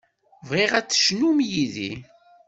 Bɣiɣ ad tecnum yid-i.